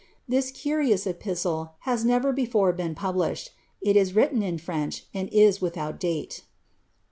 This curious epistle has never before been published ; it is written in French, and is without date.'